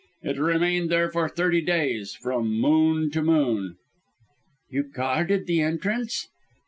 It remained there for thirty days; from moon to moon " "You guarded the entrance?"